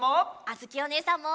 あづきおねえさんも！